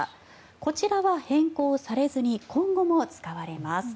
こちらは変更されずに今後も使われます。